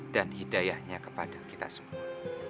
dan hidayahnya kepada kita semua